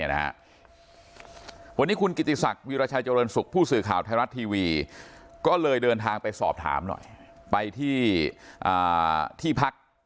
วันนี้คุณกิติศักดิราชัยเจริญสุขผู้สื่อข่าวไทยรัฐทีวีก็เลยเดินทางไปสอบถามหน่อยไปที่ที่พัก